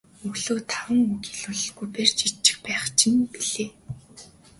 Өглөө таван үг ч хэлүүлэхгүй барьж идчих гээд байх чинь билээ.